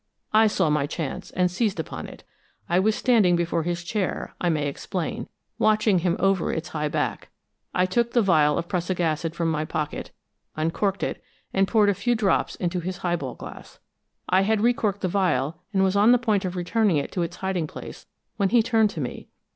I saw my chance, and seized upon it. I was standing before his chair, I may explain, watching him over its high back. I took the vial of prussic acid from my pocket, uncorked it and poured a few drops into his high ball glass. I had recorked the vial, and was on the point of returning it to its hiding place, when he turned to me.